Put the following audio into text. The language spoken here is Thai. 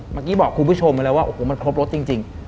เมื่อกี้บอกคุณผู้ชมว่ามันครบรถจริง